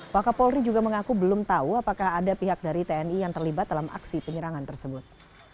wakapolri juga mengaku belum tahu apakah ada pihak dari tni yang terlibat dalam aksi penyerangan tersebut